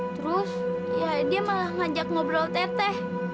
terus ya dia malah ngajak ngobrol teteh